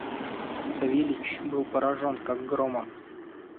Савельич был поражен как громом.